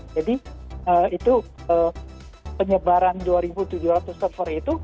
jadi itu penyebaran dua tujuh ratus server itu